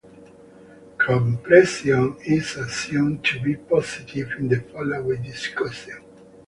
Compression is assumed to be positive in the following discussion.